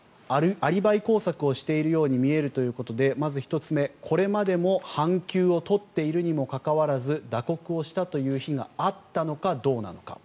アリバイ工作をしているように見えるということでまず１つ目、これまでも半休を取っているにもかかわらず打刻をしたという日があったのかどうなのか。